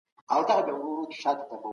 د واک ساتنه د زور له لاري ممکنه نه ده.